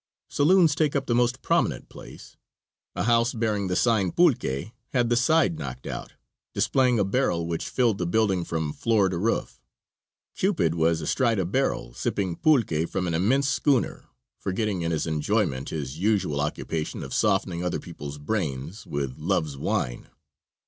Saloons take up the most prominent place. A house bearing the sign "Pulque" had the side knocked out, displaying a barrel which filled the building from floor to roof. Cupid was astride a barrel, sipping pulque from an immense schooner, forgetting in his enjoyment his usual occupation of softening other people's brains with love's wine.